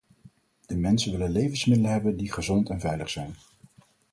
De mensen willen levensmiddelen hebben die gezond en veilig zijn.